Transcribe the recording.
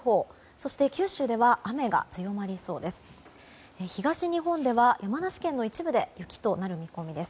そして九州では雨が強まりそうです。